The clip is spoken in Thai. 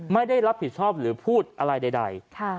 ไม่ได้รับผิดชอบหรือพูดอะไรใด